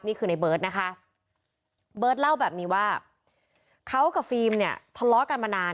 นี่คือในเบิร์ตนะคะเบิร์ตเล่าแบบนี้ว่าเขากับฟิล์มเนี่ยทะเลาะกันมานาน